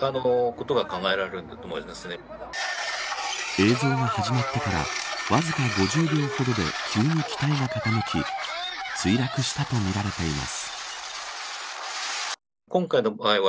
映像が始まってからわずか５０秒ほどで急に機体が傾き墜落したとみられています。